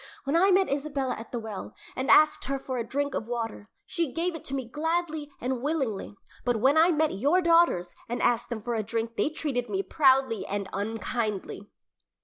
When I met Isabella at the well and asked her for a drink of water, she gave it to me gladly and willingly, but when I met your daughters and asked them for a drink they treated me proudly and unkindly."